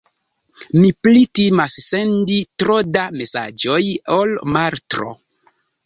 Mi pli timas sendi tro da mesaĝoj ol maltro.